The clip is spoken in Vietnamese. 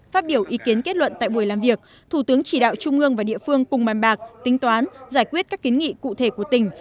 phát biểu ý kiến kết luận tại buổi làm việc thủ tướng chỉ đạo trung ương và địa phương cùng bàn bạc tính toán giải quyết các kiến nghị cụ thể của tỉnh